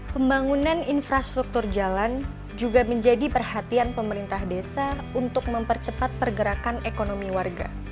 pembangunan infrastruktur jalan juga menjadi perhatian pemerintah desa untuk mempercepat pergerakan ekonomi warga